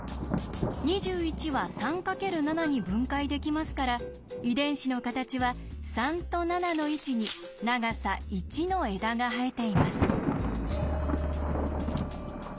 ２１は３×７に分解できますから遺伝子の形は３と７の位置に長さ１の枝が生えています。